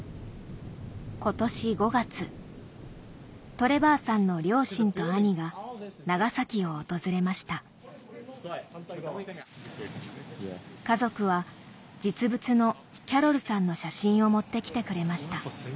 トレバーさんの両親と兄が長崎を訪れました家族は実物のキャロルさんの写真を持ってきてくれました